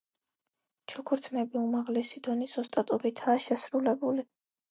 ჩუქურთმები უმაღლესი დონის ოსტატობითაა შესრულებული.